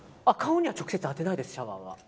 顔には直接当てないです。